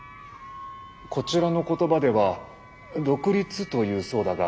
こちらの言葉では独立というそうだが。